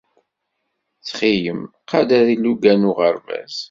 Ttxil-m, qader ilugan n uɣerbaz.